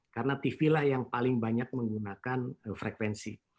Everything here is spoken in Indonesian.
karena tv lah yang paling banyak menggunakan frekuensi